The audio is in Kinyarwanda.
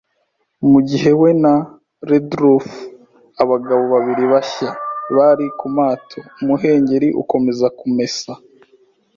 mugihe we na Redruth, abagabo babiri bashya, bari kumato. “Umuhengeri ukomeza kumesa